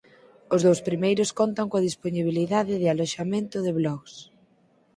Os dous primeiros contan coa dispoñibilidade de aloxamento de blogs.